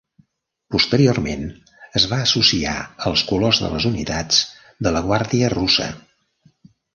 Posteriorment, es va associar als colors de les unitats de la guàrdia russa.